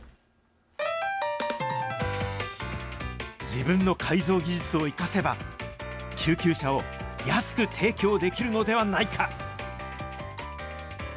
自分の改造技術を生かせば、救急車を安く提供できるのではないか。